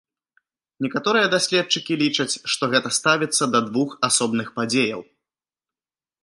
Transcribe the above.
Некаторыя даследчыкі лічаць, што гэта ставіцца да двух асобных падзеяў.